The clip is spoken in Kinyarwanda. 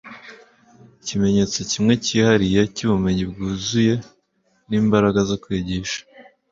ikimenyetso kimwe cyihariye cyubumenyi bwuzuye nimbaraga zo kwigisha